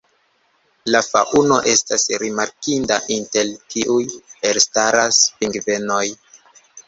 La faŭno estas rimarkinda, inter kiuj elstaras pingvenoj.